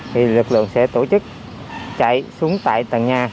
thì lực lượng sẽ tổ chức chạy xuống tại tầng nhà